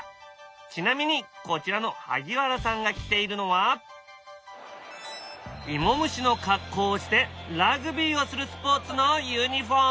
ちなみにこちらの萩原さんが着ているのは芋虫の格好をしてラグビーをするスポーツのユニフォーム。